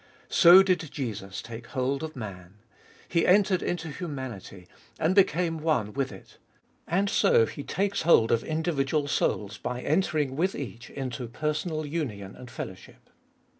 So did Jesus take hold of man. He entered into humanity and became one with it. And so he takes hold of individual souls by entering with each into personal union and fellowship.